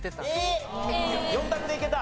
４択でいけた？